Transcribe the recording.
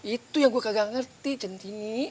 itu yang gue kagak ngerti centini